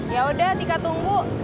yaudah tika tunggu